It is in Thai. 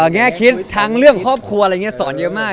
แง่คิดทั้งเรื่องครอบครัวอะไรอย่างนี้สอนเยอะมาก